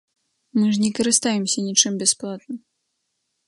Мы ж не карыстаемся нічым бясплатна.